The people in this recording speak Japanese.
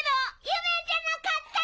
夢じゃなかった！